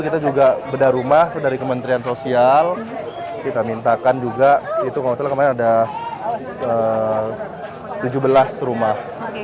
kita juga bedah rumah dari kementerian sosial kita mintakan juga itu kalau nggak salah kemarin ada tujuh belas rumah